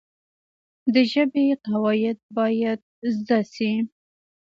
د ژبي قواعد باید زده سي.